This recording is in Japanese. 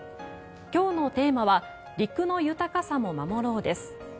今日のテーマは「陸の豊かさも守ろう」です。